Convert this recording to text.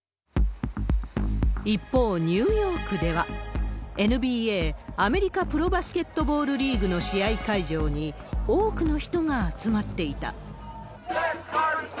一方、ニューヨークでは、ＮＢＡアメリカプロバスケットボールリーグの試合会場に多くの人が集まっていた。